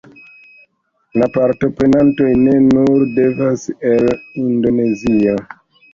La partoprenantoj ne nur devenas el Indonezio